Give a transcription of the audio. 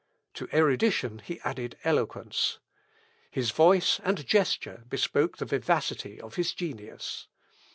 To erudition he added eloquence. His voice and gesture bespoke the vivacity of his genius.